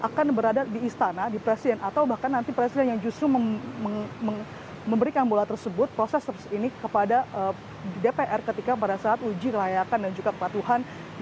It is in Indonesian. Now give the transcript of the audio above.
akan berada di istana di presiden atau bahkan nanti presiden yang justru memberikan bola tersebut proses tersebut kepada dpr ketika pada saat uji kelayakan dan juga kepatuhan